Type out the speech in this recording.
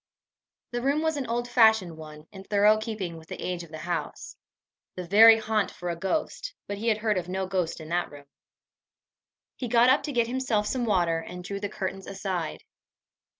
The room was an old fashioned one, in thorough keeping with the age of the house the very haunt for a ghost, but he had heard of no ghost in that room! He got up to get himself some water, and drew the curtains aside.